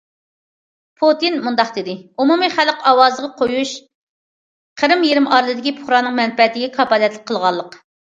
پۇتىن مۇنداق دېدى: ئومۇمىي خەلق ئاۋازىغا قويۇش قىرىم يېرىم ئارىلىدىكى پۇقرانىڭ مەنپەئەتىگە كاپالەتلىك قىلغانلىق.